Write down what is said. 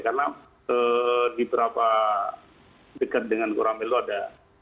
karena di beberapa dekat dengan koramil itu ada